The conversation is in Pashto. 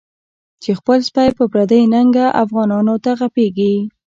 چی خپل سپی په پردی ننګه، افغانانو ته غپیږی